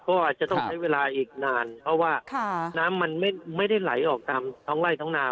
ก็อาจจะต้องใช้เวลาอีกนานเพราะว่าน้ำมันไม่ได้ไหลออกตามท้องไล่ท้องนา